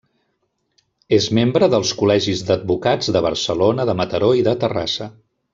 És membre dels Col·legis d'Advocats de Barcelona, de Mataró i de Terrassa.